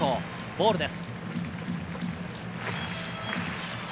ボールです。